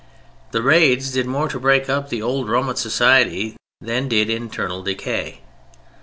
The raids did more to break up the old Roman society than did internal decay.